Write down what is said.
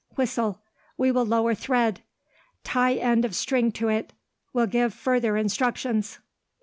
Whistle. We will lower thread. Tie end of string to it. Will give further instructions.